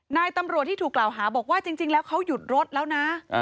นายตำรวจที่ถูกกล่าวหาบอกว่าจริงแล้วเขาหยุดรถแล้วนะ